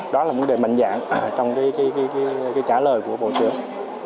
đó là vấn đề mạnh dạng trong trả lời của bộ trưởng